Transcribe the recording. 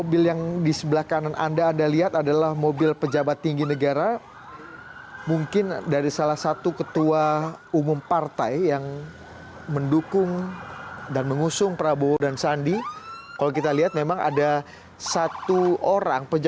berita terkini mengenai cuaca ekstrem dua ribu dua puluh satu